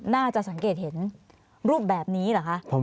น่าจะสังเกตเห็นรูปแบบนี้เหรอคะ